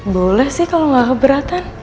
boleh sih kalau nggak keberatan